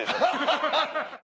ハハハハ！